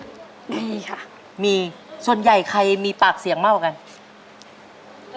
มีค่ะมีส่วนใหญ่ใครมีปากเสียงมากกว่ากัน